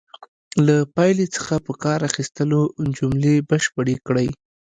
له پایلې څخه په کار اخیستلو جملې بشپړې کړئ.